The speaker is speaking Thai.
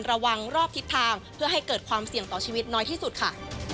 ระวังรอบทิศทางเพื่อให้เกิดความเสี่ยงต่อชีวิตน้อยที่สุดค่ะ